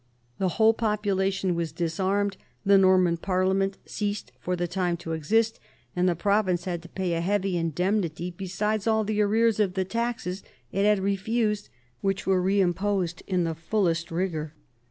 The whole population was disarmed ; the Norman Parliament ceased for the time to exist, and the province had to pay a heavy indemnity besides all the arrears of the taxes it had refused, which were reimposed in the fullest rigour.